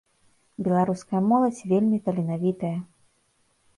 Беларуская моладзь вельмі таленавітая.